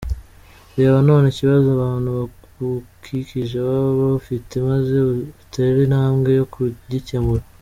Reba none ikibazo abantu bagukikije baba bafite maze utere intambwe yo kugikemura.